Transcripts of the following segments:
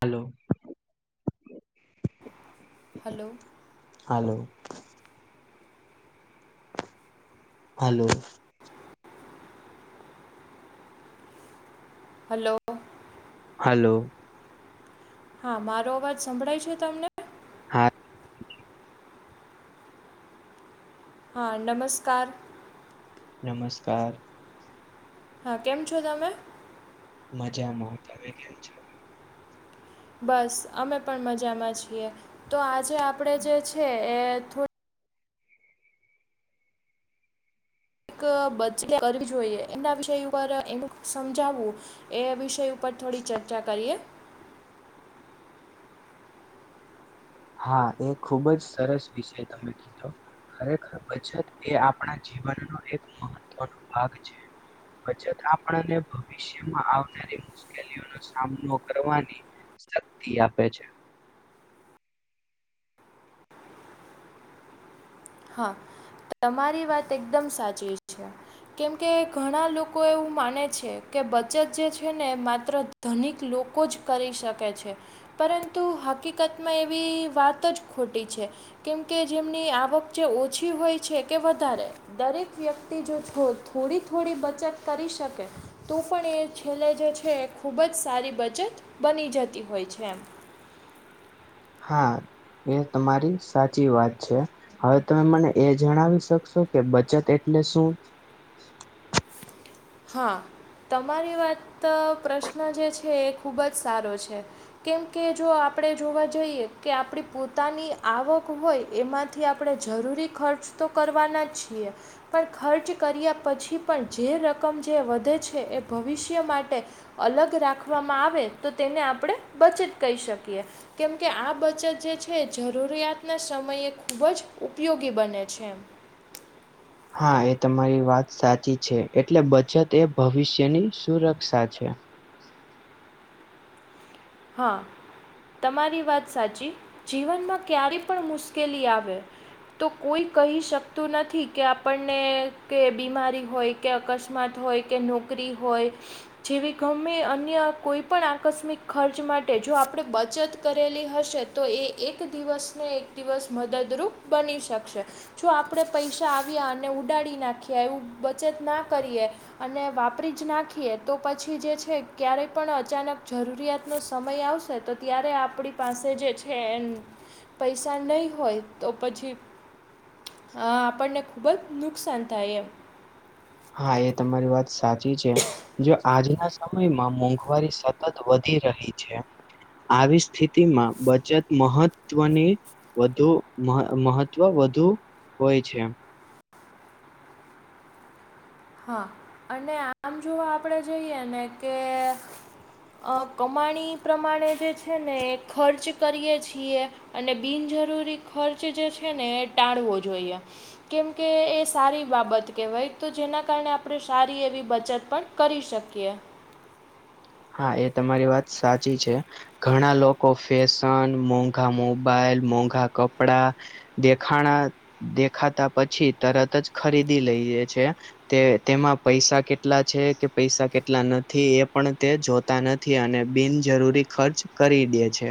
Hello hello hello hello hello hello હા, મારો અવાજ સંભળાય છે તમને, હા હા, નમસ્કાર નમસ્કાર હા, કેમ છો તમે? મજામાં તમે કેમ છો બસ અમે પણ મજામાં છીએ તો આજે આપણેે જે છે, એ થોડી કે બચત કરવી જોઈએ એમના વિષય ઉપર અમુક સમજાવવું એ વિષય ઉપર થોડી ચર્ચા કરીએ, હા, એ ખુબ જ સરસ વિષય તમે કીધો ખરેખર બચત એ આપણા જીવનનો એક મહત્વનો ભાગ છે. બચત આપણને ભવિષ્યમાં આવનારી, મુશ્કેલીઓ ન સામનો કરવાની શક્તિ આપે છે. હા, તમારી વાત એકદમ સાચી છે. કેમકે ઘણા લોકો એવું માને છે, કે બચત જે છે ને માત્ર ધનિક લોકો જ કરી શકે છે. પરંતુ હકીકતમાં એવી વાત જ ખોટી છે, કેમકે જેમની આવક જે ઓછી હોય છે કે વધારે, દરેક વ્યક્તિ જો છો થોડી થોડી બચત કરી શકે, તો પણ એ છેલ્લે જે છે એ ખૂબ જ સારી બચત બની જતી હોય છે. હા, એ તમારી સાચી વાત છે. હવે તમે મને એ જણાવી શકશો કે બચત એટલે શું? હા, તમારી વાત પ્રશ્ન જે છે એ ખૂબ જ સારો છે. કેમકે જો આપણે જોવા જઈએ કે આપણી પોતાની આવક હોય, એમાં થી આપણે જરૂરી ખર્ચ તો કરવાના જ છીએ. પણ ખર્ચ કર્યા પછી પણ જે રકમ જે વધે છે, એ ભવિષ્ય માટે અલગ રાખવામાં આવે તો તેને આપણે બચત કહી શકીએ. કેમકે આ બચત જે છે જરૂરિયાતના સમયે ખૂબ જ ઉપયોગી બને છે. હા, એ તમારી વાત સાચી છે એટલે બચત એ ભવિષ્યની સુરક્ષા છે. હા, તમારી વાત સાચી, જીવનમાં ક્યારે પણ મુશ્કેલી આવે તો કોઈ કહી શકતું નથી, કે આપણને કે બીમારી હોય કે અકસ્માત હોય કે નોકરી હોય, જેવી ગમે અન્ય કોઈ પણ આકસ્મિક ખર્ચ માટે જો આપણે બચત કરેલી હશે, તો એ એક દિવસને દિવસ મદદરૂપ બની શકશે. જો આપણે પૈસા આવ્યા અને ઉડાડી નાખ્યા એવ બચત ના કરીએ, અને વાપરી જ નાખીએ તો પછી જે છે, ક્યારેય પણ અચાનક જરૂરિયાત નો સમય આવશે તો ત્યારે આપણી પાસે જે છે, એ પૈસા નહી હોય, તો પછી હા, આપણને ખુબ જ નુકસાન થાય એમ. હા, એ તમારી વાત સાચી છે. જો આજના સમયમાં મોંઘવારી સતત વધી રહી છે, આવી સ્થિતિમાં બચત મહત્વની વધુ મહ મહત્વ વધુ હોય છે. હા અને આમ જો આપણેે જઈએ ને કે કમાણી પ્રમાણે જે છે, ને ખર્ચ કરીએ છીએ. અને બિનજરૂરી ખર્ચ જે છે, ને એ ટાળવો જોઈએ. કેમ કે એ સારી બાબત કેહેવાય તો જેના કારણે આપણે સારી એવી બચત પણ કરી શકીએ. હા એ તમારી વાત સાચી છે. ઘણા લોકો ફેશન મોંઘા મોબાઈલ, મોંઘા કપડા દેખાણા દેખાતા પછી તરત જ ખરીદી લઈએે છે. તે તેમાં પૈસા કેટલા છે, કે પૈસા કેટલા નથી એ પણ તે જોતા નથી, અને બિનજરૂરી ખર્ચ કરી દે છે.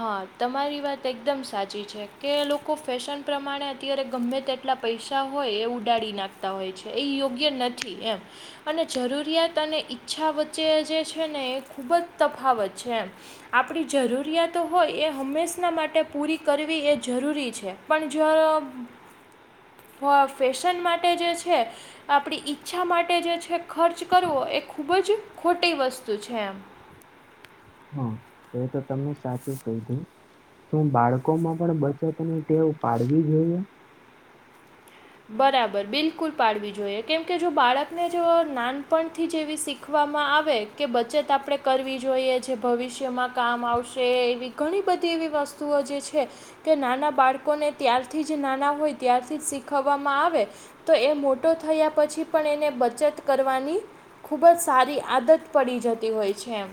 હા તમારી વાત એકદમ સાચી છે, કે લોકો ફેશન પ્રમાણે અત્યારે ગમે તેટલા પૈસા હોય એ ઉડાડી નાખતા હોય છે એ યોગ્ય નથી એમ. અને જરૂરિયાત અને ઈચ્છા વચ્ચે જે છે, ને એ ખૂબ જ તફાવત છે એમ. આપણી જરૂરિયાત તો હોય એ હંમેશા માટે પૂરી કરવી એ જરૂરી છે, પણ જો હો ફેશન માટે જે છે આપણી ઈચ્છા માટે જે છે, ખર્ચ કરવો એ ખુબ જ ખોટી વસ્તુ છે, એમ હા એ તો તમે સાચું કહીધું. શું બાળકો માં પણ બચતની ટેવ પાડવી જોઈએ બરાબર બિલકુલ પાડવી જોઈએ કેમ કે જો બાળકને જો નાનપણથી જેવી શીખવામાં આવે કે બચત આપણે કરવી જોઈએ જે ભવિષ્યમાં કામ આવશે એવી ઘણી બધી એવી વસ્તુઓ જે છે. કે નાના બાળકોને ત્યારથી જ નાના હોય ત્યારથી જ શીખ વામાં આવે તો એ મોટો થયા પછી પણ એને બચત કરવાની ખુબ જ સારી આદત પડી જતી હોય છે, એમ.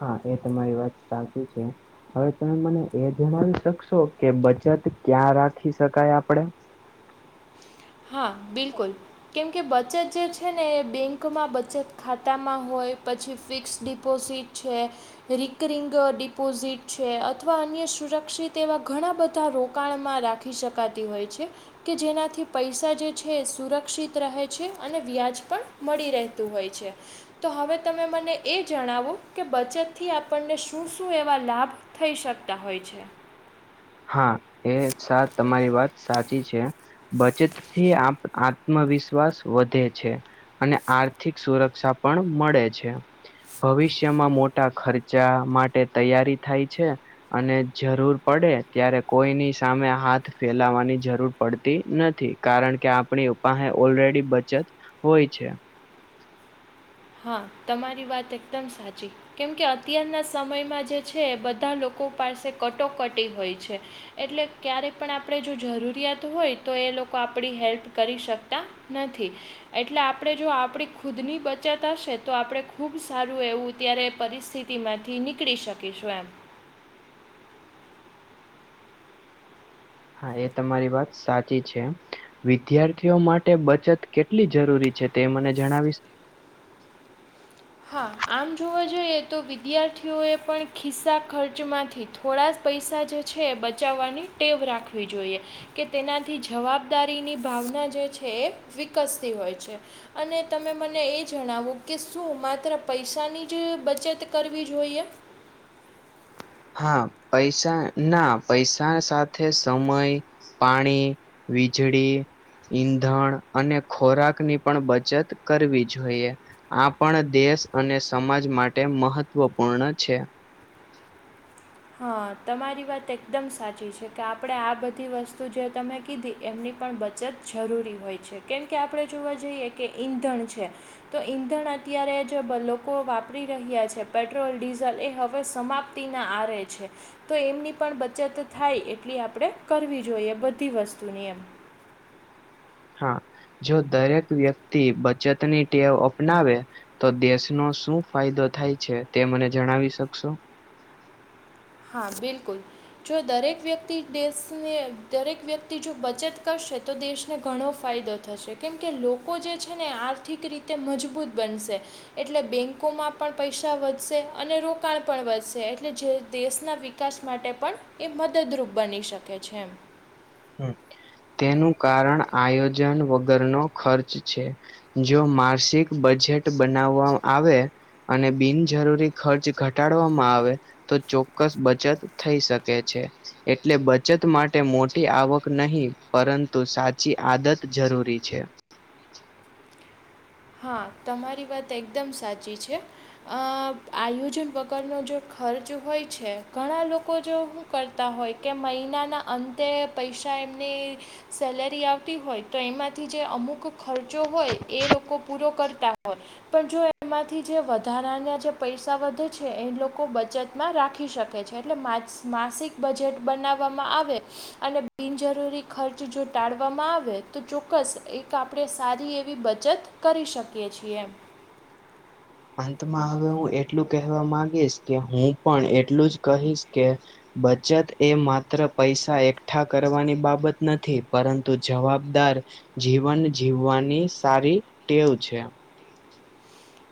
હા એ તમારી વાત સાચી છે. હવે તમે મને એ જણાવી શકશો કે બચત ક્યાં રાખી શકાય આપડે? હા બિલકુલ. કેમકે બચત જે છે, ને એ બેંકમાં બચત ખાતામાં હોય પછી ફિક્સ ડિપોઝિટ છે. રિકરિંગ ડિપોઝિટ છે, અથવા અન્ય સુરક્ષિત એવા ઘણા બધા રોકાણમાં રાખી શકાતી હોય છે, કે જેનાથી પૈસા જે છે, એ સુરક્ષિત રહે છે, અને વ્યાજ પણ મળી રહેતું હોય છે. તો હવે તમે મને એ જણાવો કે બચત થી આપણને શું-શું એવા લાભ થઈ શકતા હોય છે. હા એ તમારી વાત સાચી છે, બચતથી આપ આત્મવિશ્વાસ વધે છે, અને આર્થિક સુરક્ષા પણ મળે છે. ભવિષ્યમાં મોટા ખર્ચા માટે તૈયારી થાય છે. અને જરૂર પડે ત્યારે કોઈની સામે હાથ ફેલાવાની જરૂર પડતી નથી, કારણ કે આપણી પાહે ઓલરેડી બચત હોય છે. હા તમારી વાત એકદમ સાચી. કેમ કે અત્યારના સમયમાં જે છે એ બધા લોકો પાસે કટોકટી હોય છે. એટલે ક્યારેય પણ આપણે જો જરૂરિયાત હોય તો એ લોકો આપણી હેલ્પ કરી શકતા નથી એટલે આપણે જો આપણી ખુદની બચત હશે તો આપણે ખૂબ સારું એવું ત્યારે પરિસ્થિતિમાંથી નીકળી શકીશું એમ. હા એ તમારી વાત સાચી છે. વિદ્યાર્થીઓ માટે બચત કેટલી જરૂરી છે તે મને જણાવી હા આમ જોવા જઈએ તો વિદ્યાર્થીઓએ પણ ખિસ્સા ખર્ચમાંથી થોડા પૈસા જે છે એ બચાવવાની ટેવ રાખવી જોઈએ. કે તેનાથી જવાબદારીની ભાવના જે છે એ વિકસતી હોય છે. અને તમે મને એ જણાવો કે શું માત્ર પૈસાની જ બચત કરવી જોઈએ. હા પૈસા ના પૈસા સાથ. સાથે સમય પાણી વીજળી ઈંધણ અને ખોરાક ની પણ બચત કરવી જોઈએ. આપણ દેશ અને સમાજ માટે મહત્વપૂર્ણ છે. હા તમારી વાત એકદમ સાચી છે કે આપણે આ બધી વસ્તુ જે તમે કીધી એમની પણ બ. બચત જરૂરી હોય છે કેમ કે આપણે જોવા જઈએ કે ઈંધણ છે તો ઈંધણ અત્યારે જે લોકો વાપરી રહ્યા છે પેટ્રોલ ડીઝલ એ હવે સમાપ્ત તી ના આરે. છે તો એમની પણ બચત થાય એટલી આપણે કરવી જોઈએ બધી વસ્તુની એમ. હા જો દરેક વ્યક્તિ બચતની ટેવ અપનાવે તો દેશનો શું ફાયદો થાય છે તે મને જણાવી શકશો હા બિલકુલ. જો દરેક વ્યક્તિ દેશને દરેક વ્યક્તિ જો બચત કરશે તો દેશને ઘણો ફાયદો થશે કેમ કે લોકો જે છે ને આર્થિક રીતે મજબૂત બનશે. એટલે બેંકોમાં પણ પૈસા વધશે અને રોકાણ પણ વધશે એટલે જે દેશના વિકાસ માટે પણ એ મદદરૂપ બની શકે છે એમ. તેનું કારણ આયોજન વગરનો ખર્ચ છે. જો માર્સિક બજટ બનાવવા આવે. અને બિનજરૂરી ખર્ચ ઘટાડવામાં આવે તો ચોક્કસ બચત થઈ શકે છે એટલે બચત માટે મો ટી આવક નહીં પરંતુ સાચી આદત જરૂરી છે. હા તમારી વાત એકદમ સાચી છે. અ આયોજન વગરનો જો ખર્ચ હોય છે ઘણા લોકો જો કરતા હોય કે મહિનાના અંતે પૈસા એમની સેલેરી આવતી હોય તો એમાંથી જે અમુક ખર્ચો હોય એ લોકો પૂરો કરતા હોય પણ જો એમાંથી જે વધારાના જે પૈસા વધે છે એ લોકો બચત માં રાખી શકે છે એટલે મા માસિક બજટ બનાવવામાં આવે અને બિનજરૂરી ખર્ચ જો ટાળવામાં આવે તો ચોક્કસ એક આ. આપણે સારી એવી બચત કરી શકીએ છીએ એમ. અંતમાં હવે હું એટલું કહેવા માંગીશ કે હું પણ એટલું જ કહીશ કે બચત એ માત્ર પૈસા એકઠા કરવાની બાબત નથી પરંતુ જવાબદાર જીવન જીવવાની સારી ટેવ છે.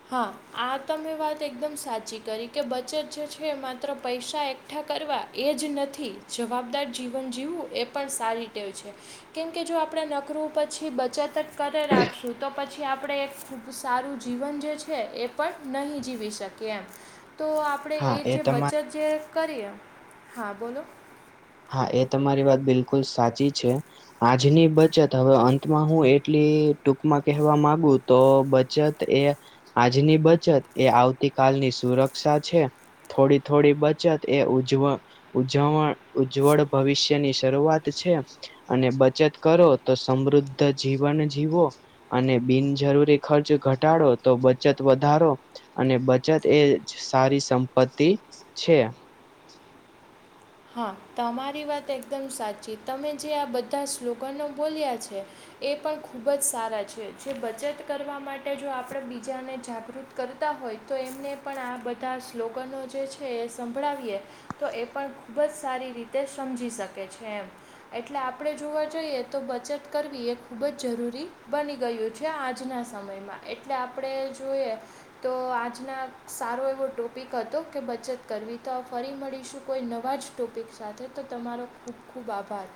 હા આ તમે વાત એકદમ સાચી કરી કે બચત જે છે માત્ર પૈસા એક એકઠા કરવા એ જ નથી જવાબદાર જીવન જીવવું એ પણ સારી ટેવ છે. કેમકે જો આપણે નકરું પછી બચત કરે રાખશું તો પછી આપણેે એક સારું જીવન જે છે એ પણ નહીં જીવી શકીએ એમ તો આપણે હા એ જે તમારી બચત જે કરીએ હા બોલો હા એ તમારી વાત બિલકુલ સાચી છે. આજની બચત હવે અંતમાં હું એટલી ટૂંકમાં કહેવા માંગુ તો બચત એ આજની બચત એ આવતી કલની સુરક્ષા છે. થોડી થોડી બચત એ ઉજવ ઉજવણ ઉજ્જવળ ભવિષ્યની શરૂઆત છે. અને બચત કરો તો સમૃદ્ધ જીવન જીવો અને બિનજરૂરી ખર્ચ ઘટાડો તો બચત વધારો અને બચત એજ સારી સંપત્તિ છે હા તમારી વાત એકદમ સાચી તમે જે આ બધા સ્લોગનો બોલ્યા છે એ પણ ખૂબ જ સારા છે જે બચત કરવા માટે જો આપડે બીજાને જાગૃત કરતા હોય તો એમને પણ આ બધા સ્લોગનો જે છે એ સંભળાવીએ તો એ પણ ખૂબ જ સારી રીતે સમજી શકે છે એમ એટલે આપડે જોવા જોઈએ તો બચત કરવી એ ખુબ જ જરૂરી બની ગયું છે આજના સમયમાં એટલે આપડે જોઈએ તો આજના સારો એવો ટોપિક હતો કે બચત કરવી તો ફરી મળીશું કોઈ ન વાજ ટોપિક સાથે તો તમારો ખૂબ ખૂબ આભાર